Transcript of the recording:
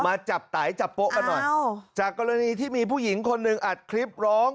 มาจับไตจับโป๊ะมาหน่อยจากกรณีที่มีผู้หญิงคนหนึ่งอัดคลิปร้อง